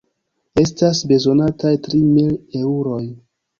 Estas bezonataj tri mil eŭroj.